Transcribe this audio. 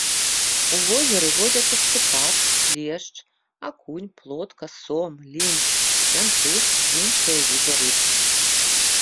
У возеры водзяцца шчупак, лешч, акунь, плотка, сом, лінь, мянтуз і іншыя віды рыб.